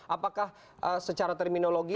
apakah secara terminologi